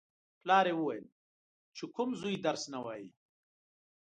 پلار یې ویل: چې کوم زوی درس نه وايي.